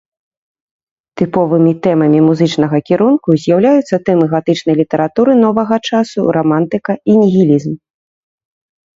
Тыповымі тэмамі музычнага кірунку з'яўляюцца тэмы гатычнай літаратуры новага часу, рамантыка і нігілізм.